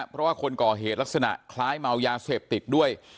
เพราะว่าคนก่อเหตุลักษณะคล้ายเมายาเสพติดด้วย